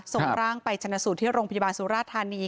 ส่งร่างไปชนะสูตรที่โรงพยาบาลสุราธานี